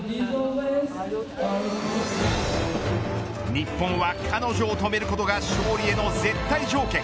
日本は、彼女を止めることが勝利への絶対条件。